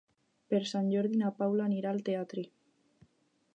Per Sant Jordi na Paula anirà al teatre.